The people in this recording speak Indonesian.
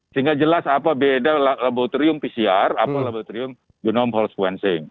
sehingga jelas apa beda laboratorium pcr apa laboratorium genom hall squancing